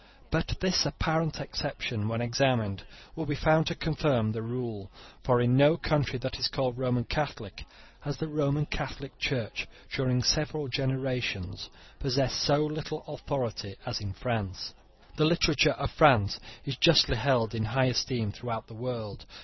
But this apparent exception, when examined, will be found to confirm the rule; for in no country that is called Roman Catholic, has the Roman Catholic Church, during several generations, possessed so little authority as in France. The literature of France is justly held in high esteem throughout the world.